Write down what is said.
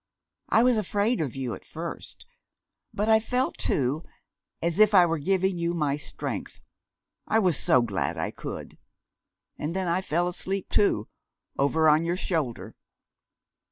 "I was afraid of you at first. But I felt that, too, as if I were giving you my strength. I was so glad I could! And then I fell asleep, too, over on your shoulder."